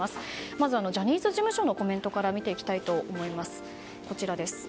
まずジャニーズ事務所のコメントから見ていきます。